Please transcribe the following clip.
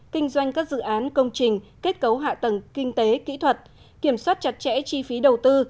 kinh doanh các dự án công trình kết cấu hạ tầng kinh tế kỹ thuật kiểm soát chặt chẽ chi phí đầu tư